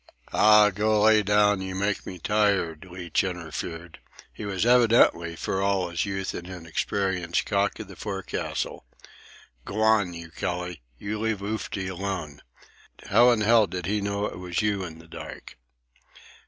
"Aw, go lay down, you make me tired," Leach interfered. He was evidently, for all of his youth and inexperience, cock of the forecastle. "G'wan, you Kelly. You leave Oofty alone. How in hell did he know it was you in the dark?"